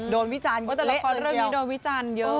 โดนวิจารอีกเล่ะเนี่ยแต่เรื่องนี้โดนวิจารเยอะแหละ